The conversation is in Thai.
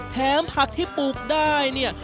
ผักที่ปลูกได้เนี่ย